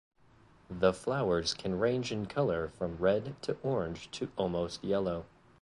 The flowers can range in color from red to orange to almost yellow.